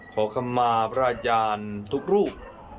ขอคำมาพระอาจารย์ทุกรูป